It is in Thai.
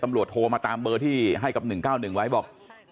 โทรมาตามเบอร์ที่ให้กับ๑๙๑ไว้บอก